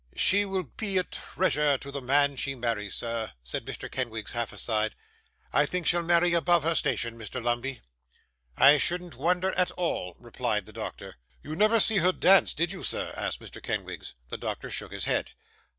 'She will be a treasure to the man she marries, sir,' said Mr. Kenwigs, half aside; 'I think she'll marry above her station, Mr. Lumbey.' 'I shouldn't wonder at all,' replied the doctor. 'You never see her dance, sir, did you?' asked Mr. Kenwigs. The doctor shook his head.